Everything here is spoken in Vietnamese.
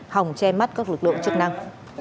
hòng che mắt các lực lượng chức năng